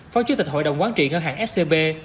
phó chủ tịch hội đồng quán trị ngân hàng scb